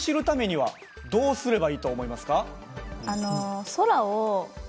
はい。